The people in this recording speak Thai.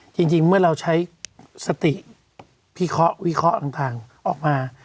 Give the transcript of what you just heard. จริงเมื่อเราใช้สติวิเคราะห์วิเคราะห์ต่างออกมา